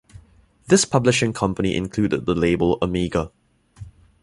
This publishing company included the label Amiga.